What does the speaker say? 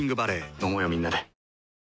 飲もうよみんなで。